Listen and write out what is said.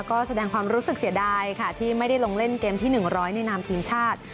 ก็แสดงความรู้สึกเสียดายค่ะที่ไม่ได้ลงเล่นเกมที่๑๐๐ในนามทีมชาติ